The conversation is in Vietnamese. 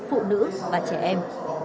phụ nữ và trẻ em